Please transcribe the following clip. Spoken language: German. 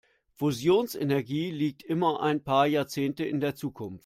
Fusionsenergie liegt immer ein paar Jahrzehnte in der Zukunft.